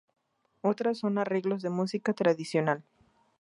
O"tras son arreglos de música tradicional.